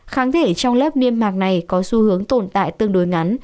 kháng thể trong lớp niêm mạc này có xu hướng tồn tại tương đối ngắn